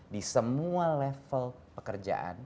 di semua level pekerjaan